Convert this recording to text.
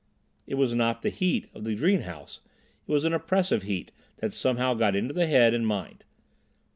It was not the heat of the greenhouse; it was an oppressive heat that somehow got into the head and mind.